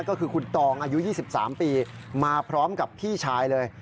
ก็คือคุณตองอายุ๒๓ปีมาพร้อมกับพี่ชายเลย